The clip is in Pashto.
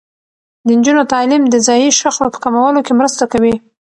د نجونو تعلیم د ځايي شخړو په کمولو کې مرسته کوي.